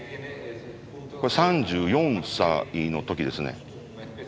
これ３４歳の時ですね。